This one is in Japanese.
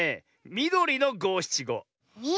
みどりのごしちご？